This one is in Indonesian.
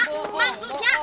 maksud saya bukan bibirnya